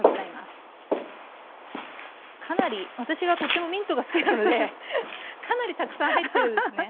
かなり私がとってもミントが好きなのでかなりたくさん入ってるんですね。